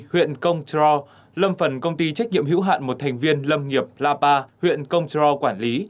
huyện công tro lâm phần công ty trách nhiệm hữu hạn một thành viên lâm nghiệp la ba huyện công tro quản lý